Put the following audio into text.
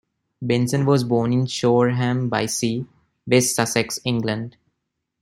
Benson was born in Shoreham-by-Sea, West Sussex, England.